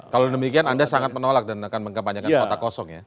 kalau demikian anda sangat menolak dan akan mengkampanyekan kota kosong ya